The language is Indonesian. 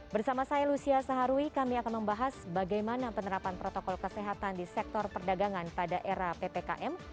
bersama saya lucia saharwi kami akan membahas bagaimana penerapan protokol kesehatan di sektor perdagangan pada era ppkm